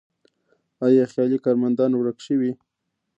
آیا خیالي کارمندان ورک شوي؟